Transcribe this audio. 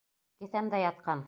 Кеҫәмдә ятҡан.